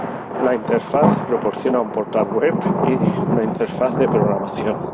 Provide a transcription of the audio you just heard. La interfaz proporciona un portal Web y una interfaz de programación.